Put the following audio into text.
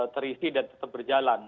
terisi dan tetap berjalan